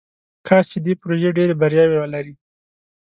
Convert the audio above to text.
کاش چې دې پروژې ډیرې بریاوې ولري.